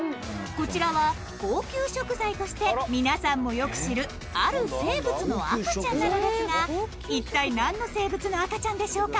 こちらは“高級食材”として皆さんもよく知るある生物の赤ちゃんなのですがいったい何の生物の赤ちゃんでしょうか？